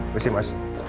apa sih mas